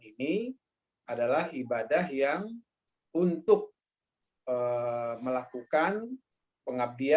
ini adalah ibadah yang diperlukan oleh maju islam malaysia